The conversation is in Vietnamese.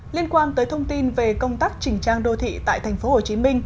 liên quan tới thông tin về công tác chỉnh trang đô thị tại tp hcm